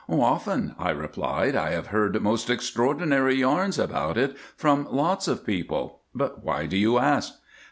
"Often," I replied, "I have heard most extraordinary yarns about it from lots of people; but why do you ask?"